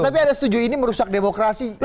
tapi anda setuju ini merusak demokrasi